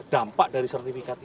dampak dari sertifikat itu